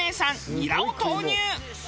ニラを投入。